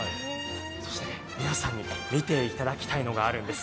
そして、皆さんに見ていただきたいのがあるんです。